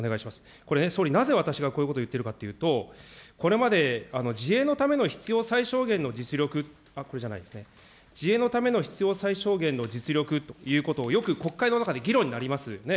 これね、総理、なぜ私がこういうことを言っているかというと、これまで自衛のための必要最小限の実力、これじゃないですね、自衛のための必要最小限の実力ということをよく国会の中で議論になりますよね。